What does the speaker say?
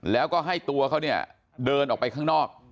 แล้วก็ให้ตัวเขาเนี่ยเดินออกไปข้างนอก